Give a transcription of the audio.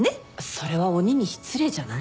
それは鬼に失礼じゃない？